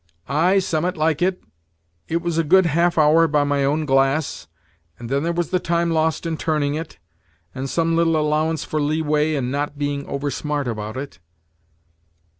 "Ay, summat like it; it was a good half hour by my own glass, and then there was the time lost in turning it, and some little allowance for leeway in not being over smart about it."